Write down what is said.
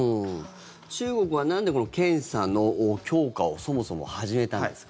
中国はなんで検査の強化をそもそも始めたんですか？